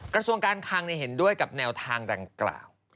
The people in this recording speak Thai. กระทรวงการคังเห็นด้วยกับแนวทางดังกล่าว